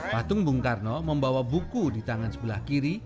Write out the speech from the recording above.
patung bung karno membawa buku di tangan sebelah kiri